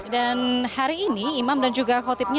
dan hari ini imam dan juga khutbahnya